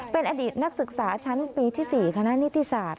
เป็นอดีตนักศึกษาชั้นปีที่๔คณะนิติศาสต